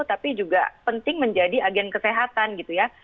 tapi juga penting menjadi agen kesehatan gitu ya